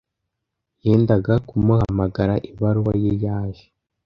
Yendaga kumuhamagara, ibaruwa ye yaje.